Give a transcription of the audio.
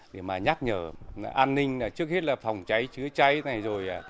để mà nhắc nhở an ninh trước hết là phòng cháy chữa cháy này rồi